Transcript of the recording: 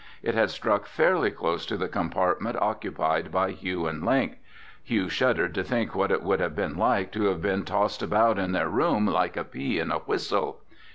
It had struck fairly close to the compartment occupied by Hugh and Link. Hugh shuddered to think what it would have been like to have been tossed about in their room like a pea in a whistle.